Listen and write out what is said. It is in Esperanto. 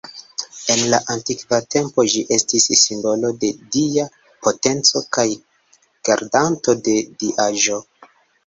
En la antikva tempo ĝi estis simbolo de dia potenco kaj gardanto de diaĵo.